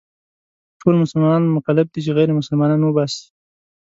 ټول مسلمانان مکلف دي چې غير مسلمانان وباسي.